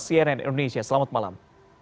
sieren indonesia selamat malam